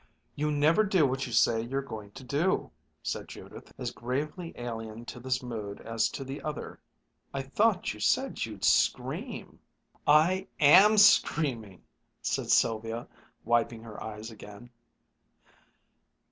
"You never do what you say you're going to," said Judith, as gravely alien to this mood as to the other. "I thought you said you'd scream." "I am screaming," said Sylvia, wiping her eyes again.